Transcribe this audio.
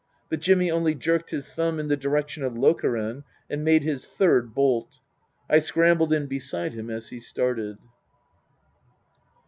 But Jimmy only jerked his thumb in the direction of Lokeren and made his third bolt. I scrambled in beside him as he started.